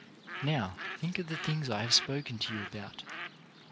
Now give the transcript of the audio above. Now think of the things I have spoken to you about.